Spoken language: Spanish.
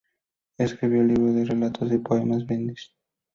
Escribió el libro de relatos y poemas "Brindis".